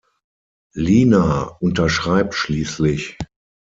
Lina unterschreibt schließlich.